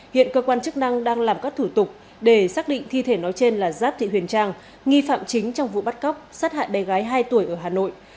hiện cơ quan chức năng đang làm các thủ tục để xác định thi thể nói trên là giáp thị huyền trang nghi phạm chính trong vụ bắt cóc sát hại bé gái hai tuổi ở hà nội